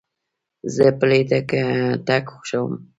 زه پلي تګ خوښوم.